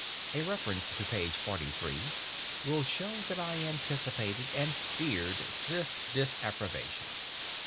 A reference to page 43 will show that I anticipated and feared this disapprobation.